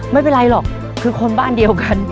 ไม่เป็นไรหรอกคือคนบ้านเดียวกัน